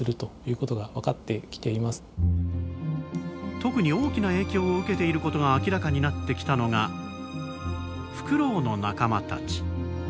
特に大きな影響を受けていることが明らかになってきたのがフクロウの仲間たち。